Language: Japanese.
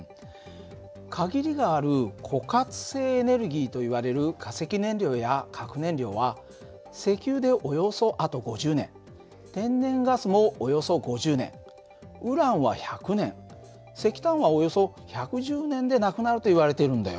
限りがある枯渇性エネルギーといわれる化石燃料や核燃料は石油でおよそあと５０年天然ガスもおよそ５０年ウランは１００年石炭はおよそ１１０年でなくなるといわれているんだよ。